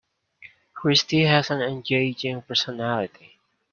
Christy has an engaging personality.